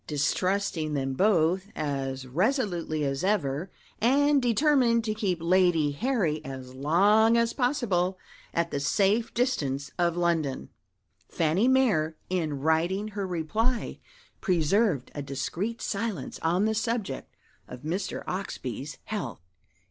Distrusting them both as resolutely as ever, and determined to keep Lady Harry as long as possible at the safe distance of London, Fanny Mere, in writing her reply, preserved a discreet silence on the subject of Mr. Oxbye's health.